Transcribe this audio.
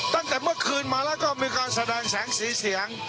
ตั้งแต่เมื่อคืนมาแล้วก็มีการแสดงแสงสีเสียง